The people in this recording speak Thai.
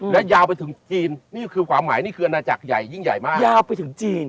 และยาวไปถึงจีนนี่คือความหมายนี่คืออาณาจักรใหญ่ยิ่งใหญ่มากยาวไปถึงจีน